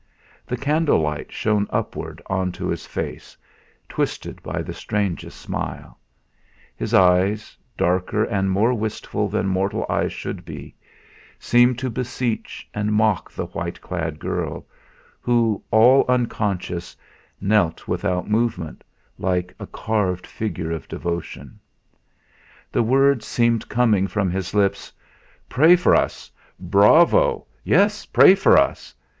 The candle light shone upward on to his face, twisted by the strangest smile; his eyes, darker and more wistful than mortal eyes should be, seemed to beseech and mock the white clad girl, who, all unconscious, knelt without movement, like a carved figure of devotion. The words seemed coming from his lips: "Pray for us! Bravo! Yes! Pray for us!"